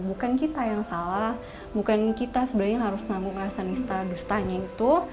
bukan kita yang salah bukan kita sebenarnya yang harus nanggung rasa nista dustanya gitu